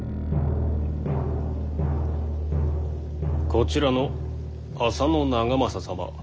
こちらの浅野長政様